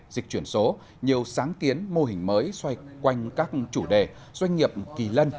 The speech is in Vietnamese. dịch chuyển số nhiều sáng kiến mô hình mới xoay quanh các chủ đề doanh nghiệp kỳ lân